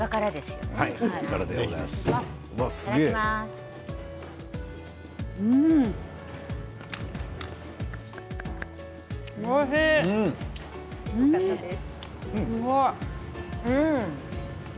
よかったです。